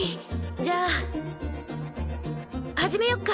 じゃあ始めよっか。